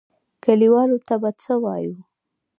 کليوالو ته به څه وايو.